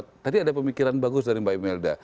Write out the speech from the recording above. tadi ada pemikiran bagus dari mbak imelda